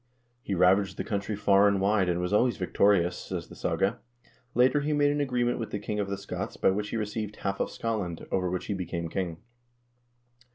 1 "He ravaged the country far and wide, and was always victorious," says the saga. "Later he made an agreement with the king of the Scots by which he received half of Scotland, over which he became king."